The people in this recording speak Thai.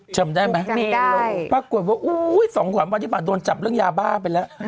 จำได้ไหมจำได้ปรากฏว่าอุ้ยสองขวัญวันที่ป่านโดนจับเรื่องยาบ้าไปแล้ว